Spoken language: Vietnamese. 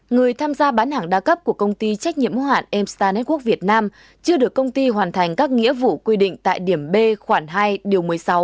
người tham gia bán hàng đa cấp của công ty trách nhiệm mũ hạn amstar network việt nam chưa được công ty hoàn thành các nghĩa vụ quy định tại điểm b khoản hai điều một mươi sáu